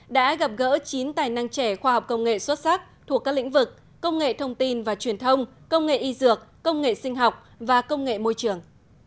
đã gặp gỡ chín tài năng trẻ khoa học công nghệ xuất sắc thuộc các lĩnh vực công nghệ thông tin và truyền thông công nghệ y dược công nghệ sinh học và công nghệ môi trường